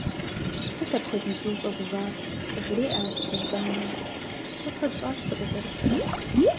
- Сыт апхуэдизу ущӀэгувар, - къыжреӀэ абы цыжьбанэм, - сэ куэд щӀащ сыкъызэрысрэ.